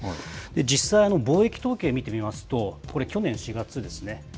実際、貿易統計見てみますと、これ、去年４月ですね。